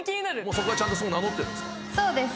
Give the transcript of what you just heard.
そこはそう名乗ってるんですか？